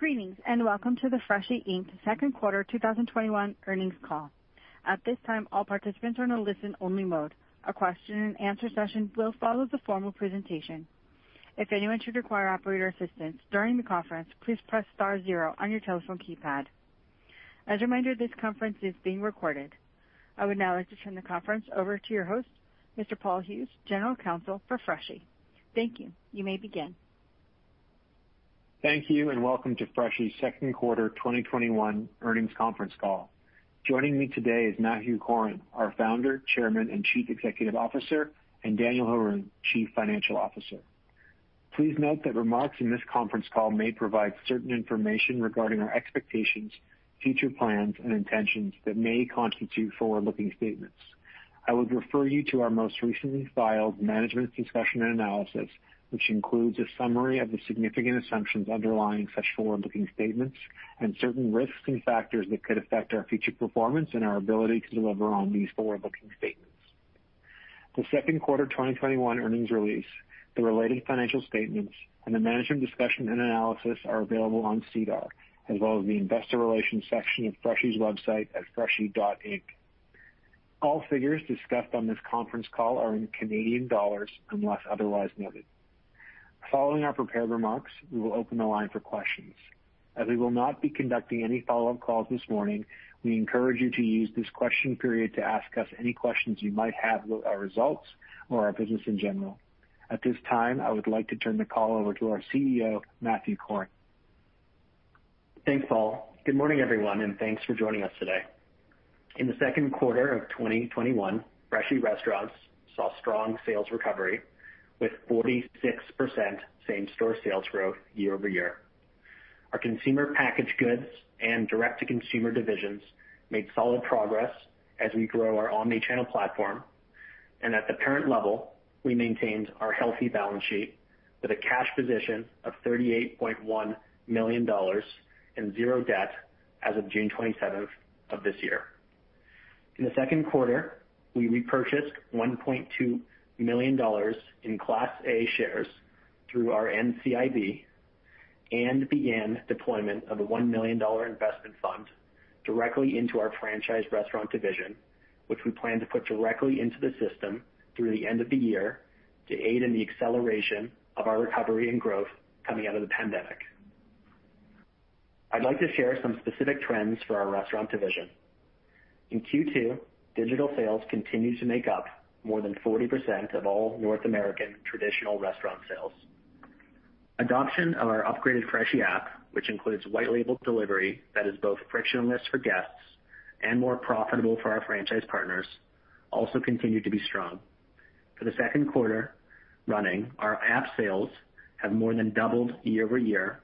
Greetings, welcome to the Freshii Inc second quarter 2021 earnings call. At this time, all participants are in a listen-only mode. A question-and-answer session will follow the formal presentation. If anyone should require operator assistance during the conference, please press star zero on your telephone keypad. As a reminder, this conference is being recorded. I would now like to turn the conference over to your host, Mr. Paul Hughes, General Counsel for Freshii. Thank you. You may begin. Thank you, and welcome to Freshii's second quarter 2021 earnings conference call. Joining me today is Matthew Corrin, our Founder, Chairman, and Chief Executive Officer, and Daniel Haroun, Chief Financial Officer. Please note that remarks in this conference call may provide certain information regarding our expectations, future plans, and intentions that may constitute forward-looking statements. I would refer you to our most recently filed Management Discussion and Analysis, which includes a summary of the significant assumptions underlying such forward-looking statements and certain risks and factors that could affect our future performance and our ability to deliver on these forward-looking statements. The second quarter 2021 earnings release, the related financial statements, and the Management Discussion and Analysis are available on SEDAR, as well as the investor relations section of Freshii's website at freshii.com. All figures discussed on this conference call are in Canadian dollars unless otherwise noted. Following our prepared remarks, we will open the line for questions. As we will not be conducting any follow-up calls this morning, we encourage you to use this question period to ask us any questions you might have about our results or our business in general. At this time, I would like to turn the call over to our CEO, Matthew Corrin. Thanks, Paul. Good morning, everyone, and thanks for joining us today. In the second quarter of 2021, Freshii restaurants saw strong sales recovery with 46% same-store sales growth year-over-year. Our consumer packaged goods and direct-to-consumer divisions made solid progress as we grow our omni-channel platform. At the parent level, we maintained our healthy balance sheet with a cash position of 38.1 million dollars and zero debt as of June 27th of this year. In the second quarter, we repurchased 1.2 million dollars in Class A shares through our NCIB and began deployment of a 1 million dollar investment fund directly into our franchise restaurant division, which we plan to put directly into the system through the end of the year to aid in the acceleration of our recovery and growth coming out of the pandemic. I'd like to share some specific trends for our restaurant division. In Q2, digital sales continued to make up more than 40% of all North American traditional restaurant sales. Adoption of our upgraded Freshii app, which includes white label delivery that is both frictionless for guests and more profitable for our franchise partners, also continued to be strong. For the second quarter running, our app sales have more than doubled year-over-year,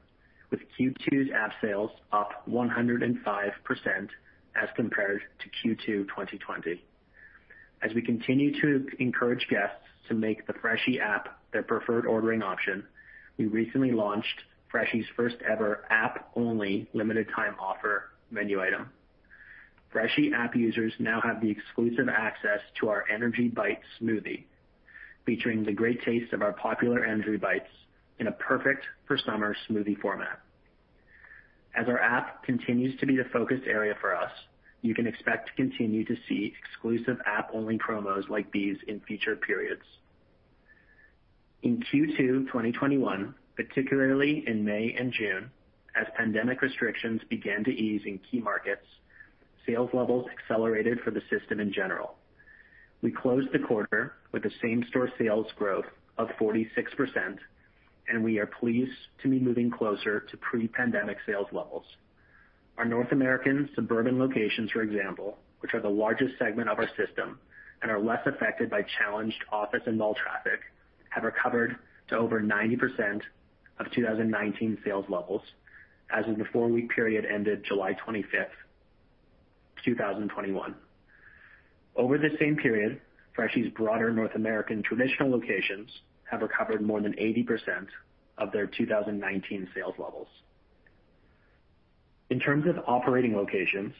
with Q2's app sales up 105% as compared to Q2 2020. As we continue to encourage guests to make the Freshii app their preferred ordering option, we recently launched Freshii's first-ever app-only limited time offer menu item. Freshii app users now have the exclusive access to our Energii Bites smoothie, featuring the great taste of our popular Energii Bites in a perfect for summer smoothie format. As our app continues to be the focus area for us, you can expect to continue to see exclusive app-only promos like these in future periods. In Q2 2021, particularly in May and June, as pandemic restrictions began to ease in key markets, sales levels accelerated for the system in general. We closed the quarter with a same-store sales growth of 46%, and we are pleased to be moving closer to pre-pandemic sales levels. Our North American suburban locations, for example, which are the largest segment of our system and are less affected by challenged office and mall traffic, have recovered to over 90% of 2019 sales levels as of the four-week period ended July 25th, 2021. Over the same period, Freshii's broader North American traditional locations have recovered more than 80% of their 2019 sales levels. In terms of operating locations,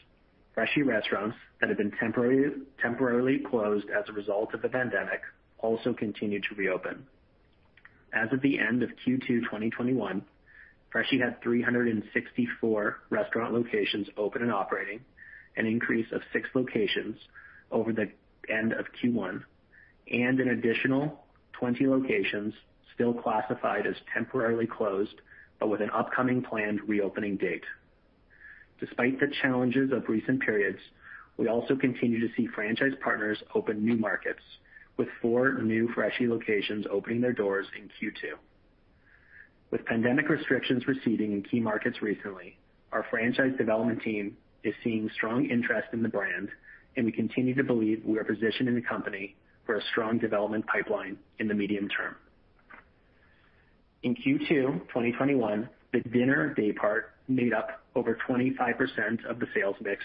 Freshii restaurants that have been temporarily closed as a result of the pandemic also continued to reopen. As of the end of Q2 2021, Freshii had 364 restaurant locations open and operating, an increase of six locations over the end of Q1. An additional 20 locations still classified as temporarily closed but with an upcoming planned reopening date. Despite the challenges of recent periods, we also continue to see franchise partners open new markets, with four new Freshii locations opening their doors in Q2. With pandemic restrictions receding in key markets recently, our franchise development team is seeing strong interest in the brand, and we continue to believe we are positioned in the company for a strong development pipeline in the medium term. In Q2 2021, the dinner day part made up over 25% of the sales mix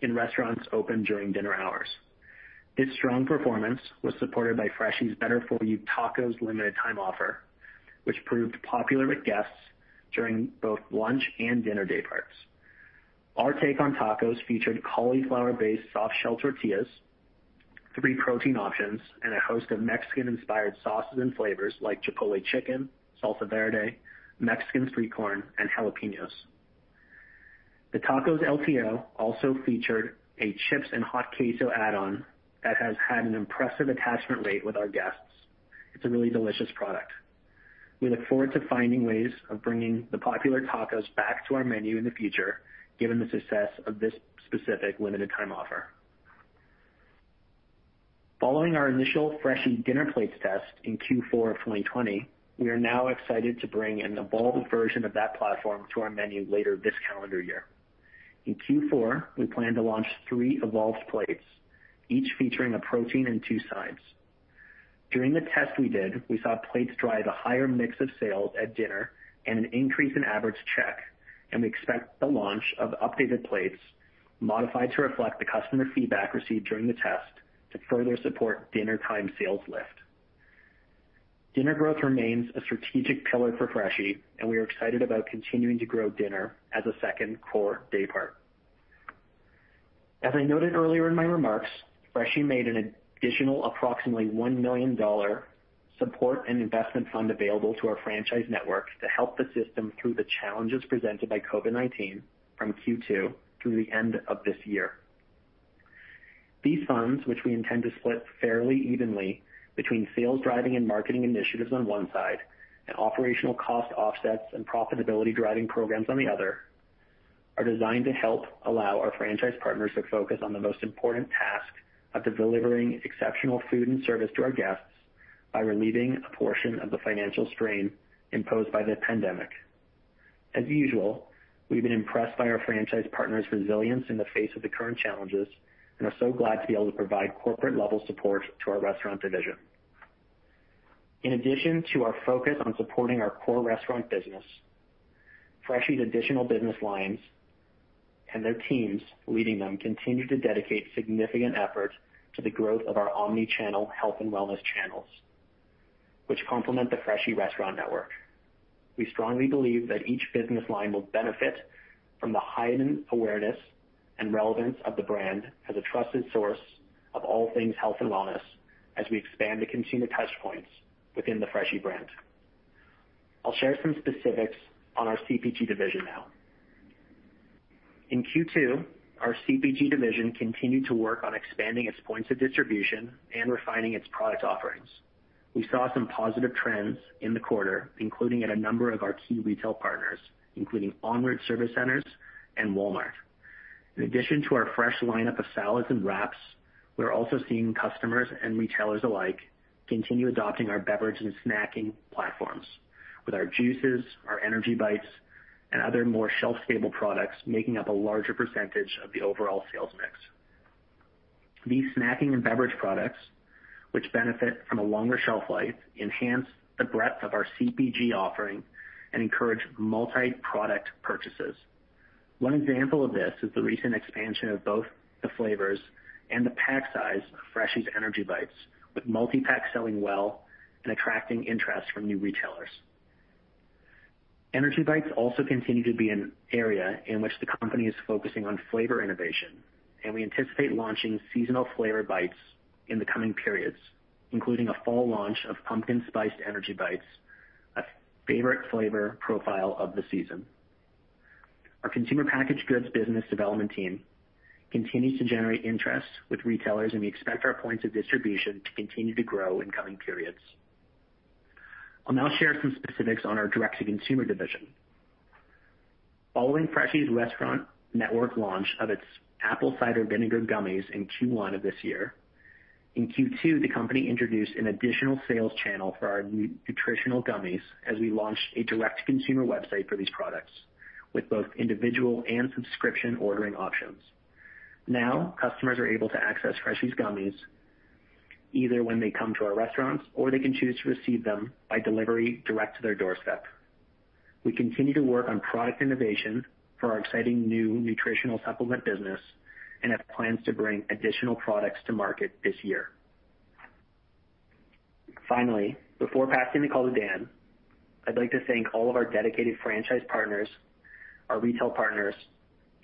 in restaurants open during dinner hours. Its strong performance was supported by Freshii's Better For You Tacos limited time offer, which proved popular with guests during both lunch and dinner day parts. Our take on tacos featured cauliflower-based soft shell tortillas, three protein options, and a host of Mexican-inspired sauces and flavors like chipotle chicken, salsa verde, Mexican sweet corn, and jalapenos. The tacos LTO also featured chips and hot queso add-on that has had an impressive attachment rate with our guests. It's a really delicious product. We look forward to finding ways of bringing the popular tacos back to our menu in the future, given the success of this specific limited time offer. Following our initial Freshii dinner plates test in Q4 of 2020, we are now excited to bring an evolved version of that platform to our menu later this calendar year. In Q4, we plan to launch three evolved plates, each featuring a protein and two sides. During the test we did, we saw plates drive a higher mix of sales at dinner and an increase in average check, and we expect the launch of updated plates modified to reflect the customer feedback received during the test to further support dinnertime sales lift. Dinner growth remains a strategic pillar for Freshii, and we are excited about continuing to grow dinner as a second core day part. As I noted earlier in my remarks, Freshii made an additional approximately 1 million dollar support and investment fund available to our franchise network to help the system through the challenges presented by COVID-19 from Q2 through the end of this year. These funds, which we intend to split fairly evenly between sales driving and marketing initiatives on one side and operational cost offsets and profitability driving programs on the other, are designed to help allow our franchise partners to focus on the most important task of delivering exceptional food and service to our guests by relieving a portion of the financial strain imposed by the pandemic. As usual, we've been impressed by our franchise partners' resilience in the face of the current challenges and are so glad to be able to provide corporate-level support to our restaurant division. In addition to our focus on supporting our core restaurant business, Freshii's additional business lines and their teams leading them continue to dedicate significant effort to the growth of our omni-channel health and wellness channels, which complement the Freshii restaurant network. We strongly believe that each business line will benefit from the heightened awareness and relevance of the brand as a trusted source of all things health and wellness as we expand the consumer touchpoints within the Freshii brand. I'll share some specifics on our CPG division now. In Q2, our CPG division continued to work on expanding its points of distribution and refining its product offerings. We saw some positive trends in the quarter, including at a number of our key retail partners, including ONroute Service Centres and Walmart. In addition to our fresh lineup of salads and wraps, we are also seeing customers and retailers alike continue adopting our beverage and snacking platforms with our juices, our Energii Bites, and other more shelf-stable products, making up a larger percentage of the overall sales mix. These snacking and beverage products, which benefit from a longer shelf life, enhance the breadth of our CPG offering and encourage multi-product purchases. One example of this is the recent expansion of both the flavors and the pack size of Freshii's Energii Bites, with multi-pack selling well and attracting interest from new retailers. Energii Bites also continue to be an area in which the company is focusing on flavor innovation, and we anticipate launching seasonal flavor bites in the coming periods, including a fall launch of pumpkin spice Energii Bites, a favorite flavor profile of the season. Our consumer packaged goods business development team continues to generate interest with retailers, and we expect our points of distribution to continue to grow in coming periods. I'll now share some specifics on our direct-to-consumer division. Following Freshii's restaurant network launch of its Apple Cider Vinegar Gummies in Q1 of this year, in Q2, the company introduced an additional sales channel for our new nutritional gummies as we launched a direct-to-consumer website for these products with both individual and subscription ordering options. Now, customers are able to access Freshii's gummies either when they come to our restaurants or they can choose to receive them by delivery direct to their doorstep. We continue to work on product innovation for our exciting new nutritional supplement business and have plans to bring additional products to market this year. Finally, before passing the call to Dan, I'd like to thank all of our dedicated franchise partners, our retail partners,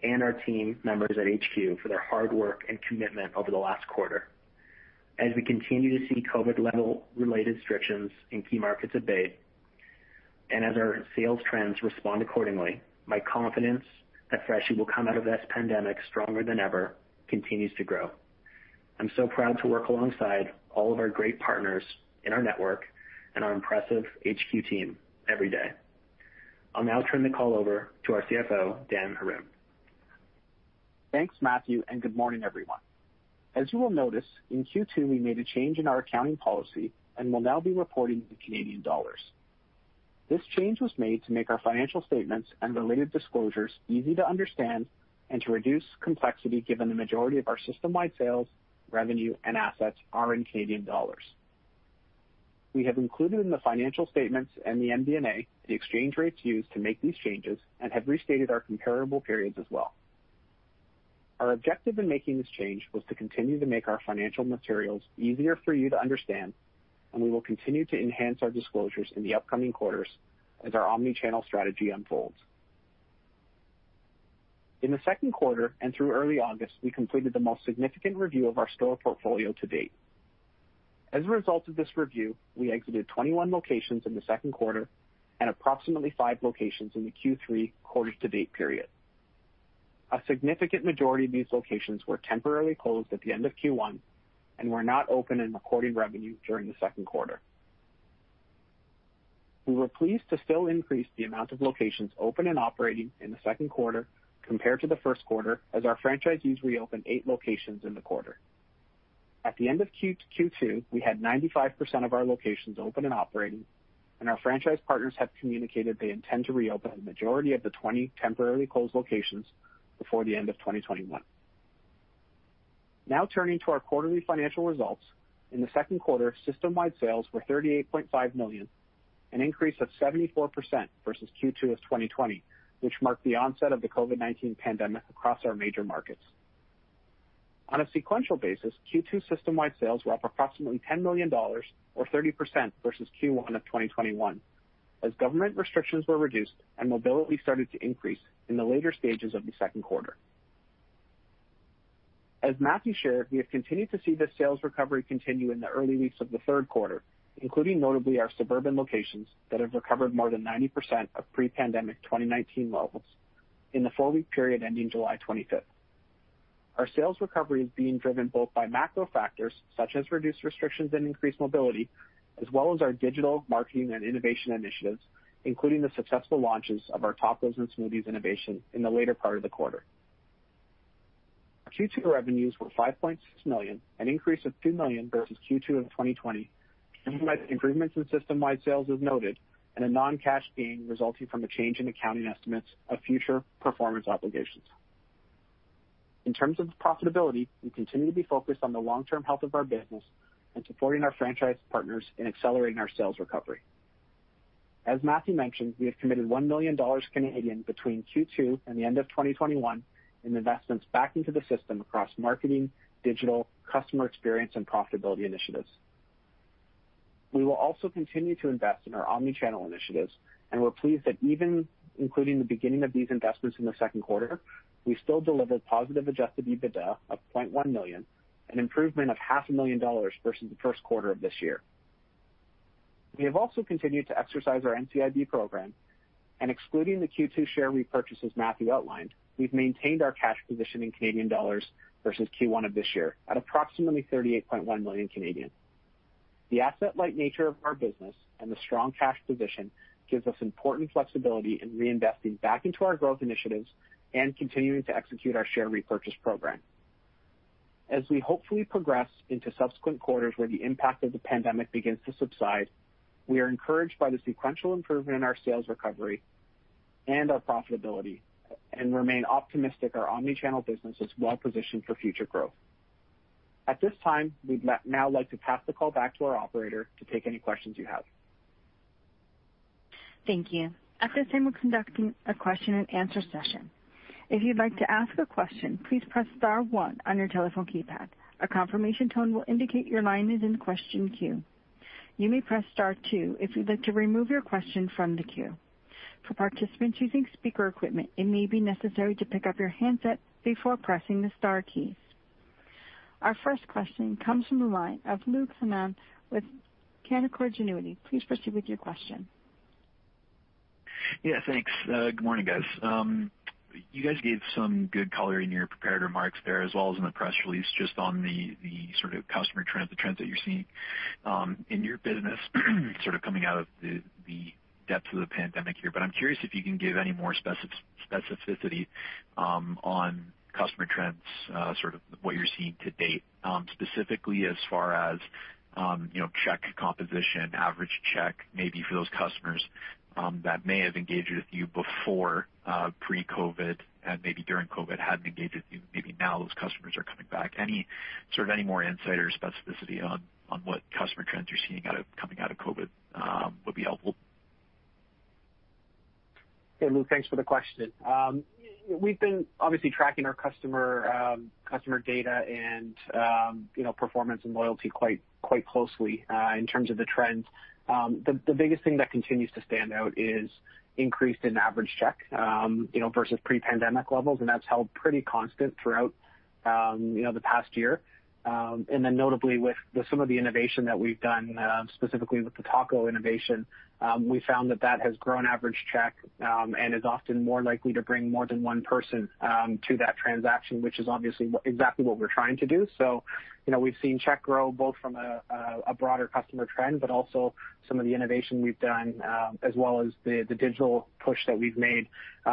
and our team members at HQ for their hard work and commitment over the last quarter. As we continue to see COVID-level related restrictions in key markets abate, and as our sales trends respond accordingly, my confidence that Freshii will come out of this pandemic stronger than ever continues to grow. I'm so proud to work alongside all of our great partners in our network and our impressive HQ team every day. I'll now turn the call over to our CFO, Dan Haroun. Thanks, Matthew. Good morning, everyone. As you will notice, in Q2, we made a change in our accounting policy and will now be reporting in Canadian dollars. This change was made to make our financial statements and related disclosures easy to understand and to reduce complexity, given the majority of our system-wide sales, revenue, and assets are in Canadian dollars. We have included in the financial statements and the MD&A the exchange rates used to make these changes and have restated our comparable periods as well. Our objective in making this change was to continue to make our financial materials easier for you to understand, and we will continue to enhance our disclosures in the upcoming quarters as our omni-channel strategy unfolds. In the second quarter and through early August, we completed the most significant review of our store portfolio to date. As a result of this review, we exited 21 locations in the second quarter and approximately five locations in the Q3 quarter to date period. A significant majority of these locations were temporarily closed at the end of Q1 and were not open and recording revenue during the second quarter. We were pleased to still increase the amount of locations open and operating in the second quarter compared to the first quarter, as our franchisees reopened eight locations in the quarter. At the end of Q2, we had 95% of our locations open and operating, and our franchise partners have communicated they intend to reopen the majority of the 20 temporarily closed locations before the end of 2021. Now, turning to our quarterly financial results. In the second quarter, system-wide sales were 38.5 million, an increase of 74% versus Q2 of 2020, which marked the onset of the COVID-19 pandemic across our major markets. On a sequential basis, Q2 system-wide sales were up approximately 10 million dollars, or 30%, versus Q1 of 2021, as government restrictions were reduced and mobility started to increase in the later stages of the second quarter. As Matthew shared, we have continued to see the sales recovery continue in the early weeks of the third quarter, including notably our suburban locations that have recovered more than 90% of pre-pandemic 2019 levels in the four-week period ending July 25th. Our sales recovery is being driven both by macro factors such as reduced restrictions and increased mobility, as well as our digital marketing and innovation initiatives, including the successful launches of our tacos and smoothies innovation in the later part of the quarter. Q2 revenues were 5.6 million, an increase of 2 million versus Q2 of 2020, driven by improvements in system-wide sales as noted, and a non-cash gain resulting from a change in accounting estimates of future performance obligations. In terms of profitability, we continue to be focused on the long-term health of our business and supporting our franchise partners in accelerating our sales recovery. As Matthew mentioned, we have committed 1 million Canadian dollars between Q2 and the end of 2021 in investments back into the system across marketing, digital, customer experience, and profitability initiatives. We will also continue to invest in our omni-channel initiatives, and we're pleased that even including the beginning of these investments in the second quarter, we still delivered positive adjusted EBITDA of 0.1 million, an improvement of CAD half a million dollars versus the first quarter of this year. We have also continued to exercise our NCIB program and excluding the Q2 share repurchases Matthew outlined, we've maintained our cash position in Canadian dollars versus Q1 of this year at approximately 38.1 million. The asset-light nature of our business and the strong cash position gives us important flexibility in reinvesting back into our growth initiatives and continuing to execute our share repurchase program. As we hopefully progress into subsequent quarters where the impact of the pandemic begins to subside, we are encouraged by the sequential improvement in our sales recovery and our profitability and remain optimistic our omni-channel business is well positioned for future growth. At this time, we'd now like to pass the call back to our operator to take any questions you have. Thank you. At this time, we're conducting a question-and-answer session. If you'd like to ask a question, please press star one on your telephone keypad. A confirmation tone will indicate your line is in question queue. You may press star two if you'd like to remove your question from the queue. For participants using speaker equipment, it may be necessary to pick up your handset before pressing the star keys. Our first question comes from the line of Luke Hannan with Canaccord Genuity. Please proceed with your question. Yeah, thanks. Good morning, guys. You guys gave some good color in your prepared remarks there, as well as in the press release, just on the sort of customer trends, the trends that you're seeing in your business sort of coming out of the depths of the pandemic here. I'm curious if you can give any more specificity on customer trends, sort of what you're seeing to date, specifically as far as check composition, average check, maybe for those customers that may have engaged with you before, pre-COVID, and maybe during COVID hadn't engaged with you, maybe now those customers are coming back. Any more insight or specificity on what customer trends you're seeing coming out of COVID would be helpful. Hey, Luke, thanks for the question. We've been obviously tracking our customer data and performance and loyalty quite closely in terms of the trends. The biggest thing that continues to stand out is increase in average check versus pre-pandemic levels, and that's held pretty constant throughout the past year. Notably with some of the innovation that we've done, specifically with the taco innovation, we found that that has grown average check and is often more likely to bring more than one person to that transaction, which is obviously exactly what we're trying to do. We've seen check grow both from a broader customer trend, but also some of the innovation we've done, as well as the digital push that we've made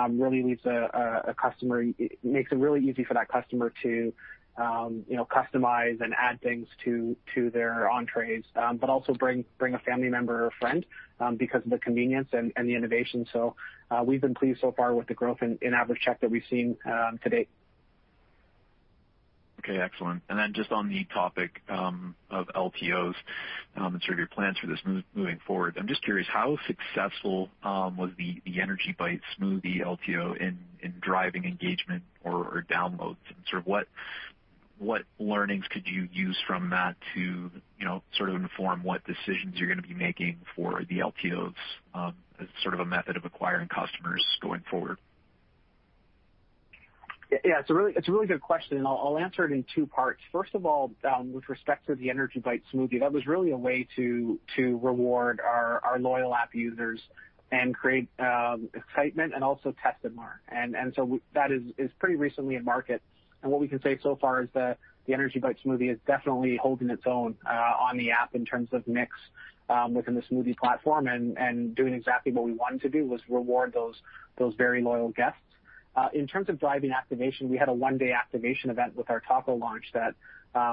really makes it really easy for that customer to customize and add things to their entrees, but also bring a family member or friend because of the convenience and the innovation. We've been pleased so far with the growth in average check that we've seen to date. Okay, excellent. Then just on the topic of LTOs and sort of your plans for this moving forward, I'm just curious, how successful was the Energii Bites Smoothie LTO in driving engagement or downloads? What learnings could you use from that to inform what decisions you're going to be making for the LTOs as a method of acquiring customers going forward? Yeah. It's a really good question, and I'll answer it in two parts. First of all, with respect to the Energii Bites Smoothie, that was really a way to reward our loyal app users and create excitement and also test the market. That is pretty recently in market. What we can say so far is that the Energii Bites Smoothie is definitely holding its own on the app in terms of mix within the smoothie platform and doing exactly what we wanted to do, was reward those very loyal guests. In terms of driving activation, we had a one-day activation event with our taco launch that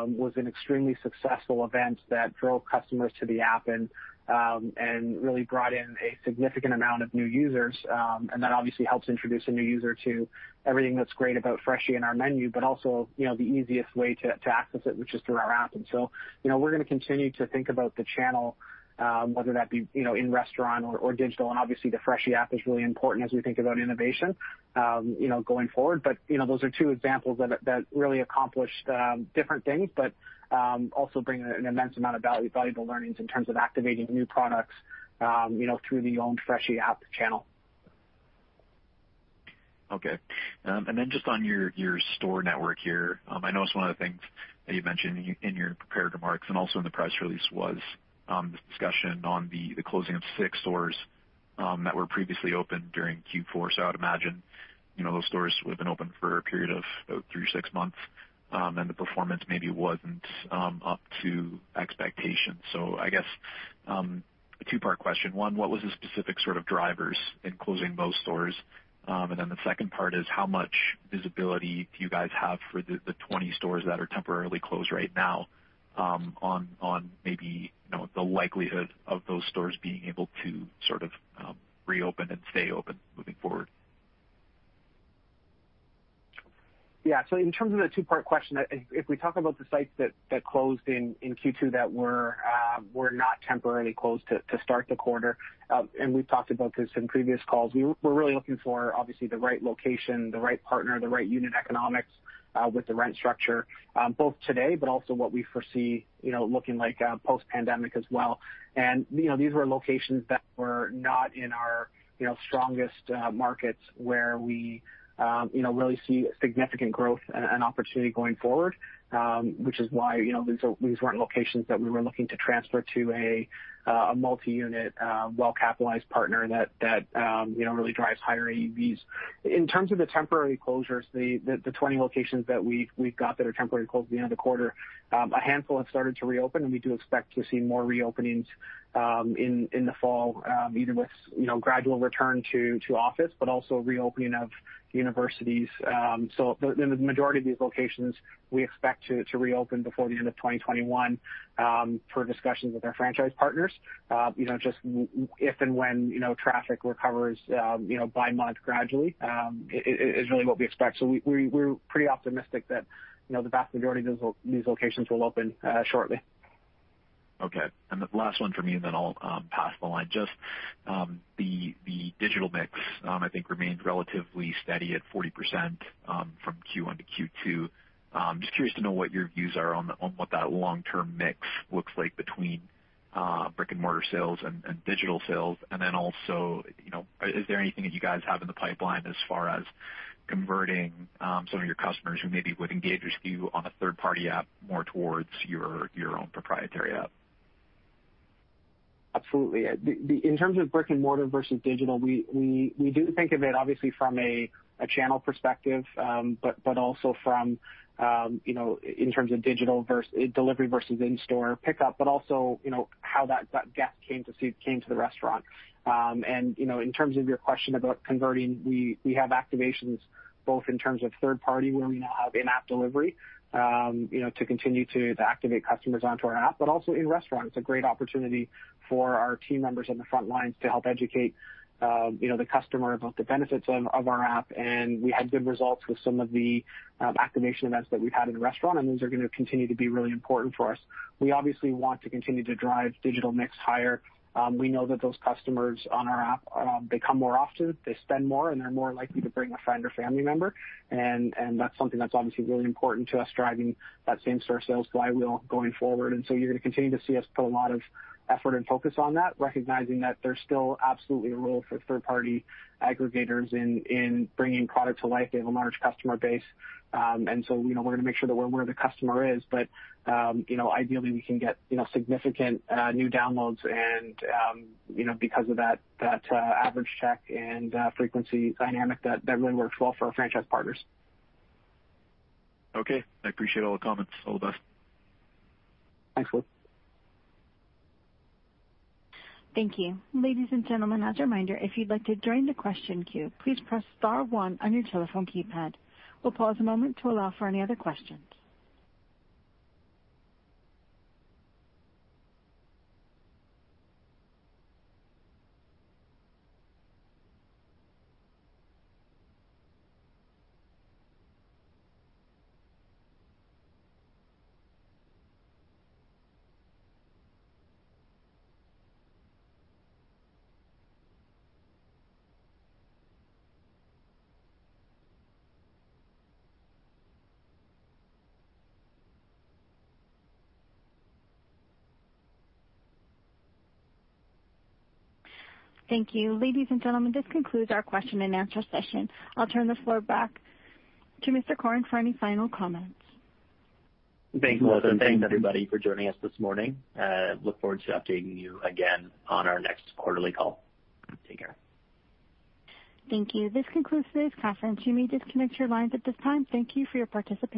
was an extremely successful event that drove customers to the app and really brought in a significant amount of new users. That obviously helps introduce a new user to everything that's great about Freshii and our menu, but also, the easiest way to access it, which is through our app. We're going to continue to think about the channel, whether that be in-restaurant or digital. Obviously the Freshii app is really important as we think about innovation going forward. Those are two examples that really accomplished different things, but also bring an immense amount of valuable learnings in terms of activating new products through the own Freshii app channel. Okay. Then just on your store network here. I know it's one of the things that you mentioned in your prepared remarks and also in the press release was this discussion on the closing of six stores that were previously opened during Q4. I would imagine those stores would've been open for a period of about three to six months, and the performance maybe wasn't up to expectation. I guess, a two-part question. One, what was the specific sort of drivers in closing those stores? Then the second part is how much visibility do you guys have for the 20 stores that are temporarily closed right now on maybe the likelihood of those stores being able to reopen and stay open moving forward? Yeah. In terms of the two-part question, if we talk about the sites that closed in Q2 that were not temporarily closed to start the quarter, and we've talked about this in previous calls, we're really looking for, obviously, the right location, the right partner, the right unit economics with the rent structure both today, but also what we foresee looking like post-pandemic as well. These were locations that were not in our strongest markets where we really see significant growth and opportunity going forward, which is why these weren't locations that we were looking to transfer to a multi-unit, well-capitalized partner that really drives higher AUVs. In terms of the temporary closures, the 20 locations that we've got that are temporarily closed at the end of the quarter, a handful have started to reopen, and we do expect to see more reopenings in the fall, either with gradual return to office, but also reopening of universities. The majority of these locations, we expect to reopen before the end of 2021 per discussions with our franchise partners. Just if and when traffic recovers by month gradually is really what we expect. We're pretty optimistic that the vast majority of these locations will open shortly. Okay. The last one from me, and then I'll pass the line. Just the digital mix, I think remained relatively steady at 40% from Q1 to Q2. Just curious to know what your views are on what that long-term mix looks like between brick-and-mortar sales and digital sales. Then also, is there anything that you guys have in the pipeline as far as converting some of your customers who maybe would engage with you on a third-party app more towards your own proprietary app? Absolutely. In terms of brick and mortar versus digital, we do think of it obviously from a channel perspective, but also from in terms of delivery versus in-store pickup, but also, how that guest came to the restaurant. In terms of your question about converting, we have activations both in terms of third party, where we now have in-app delivery to continue to activate customers onto our app, but also in-restaurant. It's a great opportunity for our team members on the front lines to help educate the customer about the benefits of our app. We had good results with some of the activation events that we've had in-restaurant, and those are going to continue to be really important for us. We obviously want to continue to drive digital mix higher. We know that those customers on our app, they come more often, they spend more, and they're more likely to bring a friend or family member, and that's something that's obviously really important to us, driving that same-store sales flywheel going forward. You're going to continue to see us put a lot of effort and focus on that, recognizing that there's still absolutely a role for third-party aggregators in bringing product to life. They have a large customer base. We're going to make sure that we're where the customer is. Ideally, we can get significant new downloads and because of that average check and frequency dynamic, that really works well for our franchise partners. Okay. I appreciate all the comments. All the best. Thanks, Luke. Thank you. Ladies and gentlemen, as a reminder, if you'd like to join the question queue, please press *1 on your telephone keypad. We'll pause a moment to allow for any other questions. Thank you. Ladies and gentlemen, this concludes our question-and-answer session. I'll turn the floor back to Mr. Corrin for any final comments. Thanks, Melissa, and thanks everybody for joining us this morning. Look forward to updating you again on our next quarterly call. Take care. Thank you. This concludes today's conference. You may disconnect your lines at this time. Thank you for your participation.